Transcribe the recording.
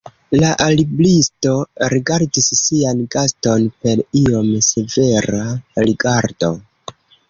La libristo rigardis sian gaston per iom severa rigardo.